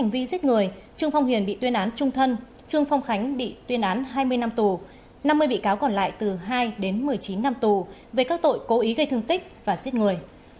vì giết người trương phong hiền bị tuyên án trung thân trương phong khánh bị tuyên án hai mươi năm tù năm mươi bị cáo còn lại từ hai đến một mươi chín năm tù về các tội cố ý gây thương tích và giết người